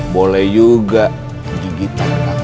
boleh juga gigit